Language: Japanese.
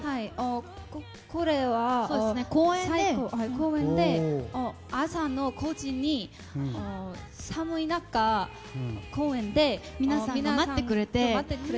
これは公園で、朝の５時に寒い中公園で皆さんが待ってくれてて。